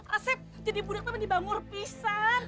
asep jadi budaknya beneran dibangun pisar